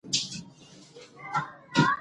چې سړى پرې د يوه فعال بريدګر په توګه